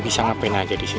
bisa ngapain aja di sini